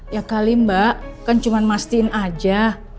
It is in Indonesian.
ya kali mbak kan cuman mastiin aja